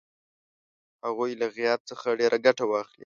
هغوی له غیاب څخه ډېره ګټه واخلي.